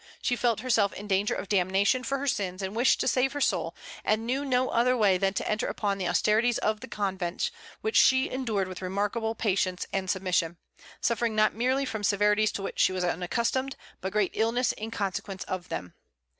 She felt herself in danger of damnation for her sins, and wished to save her soul, and knew no other way than to enter upon the austerities of the convent, which she endured with remarkable patience and submission, suffering not merely from severities to which she was unaccustomed, but great illness in consequence of them.